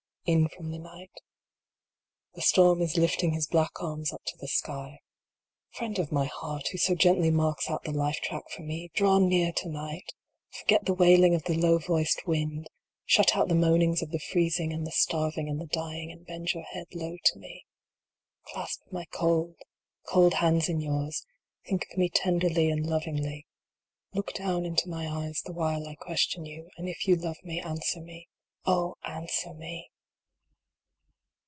I. TN from the night The storm is lifting his black arms up to the sky. Friend of my heart, who so gently marks out the life track for me, draw near to night ; Forget the wailing of the low voiced wind : Shut out the meanings of the freezing, and the starving) and the dying, and bend your head low to me : Clasp my cold, cold hands in yours ; Think of me tenderly and lovingly : Look down into my eyes the while I question you, and if you love me, answer me Oh, answer me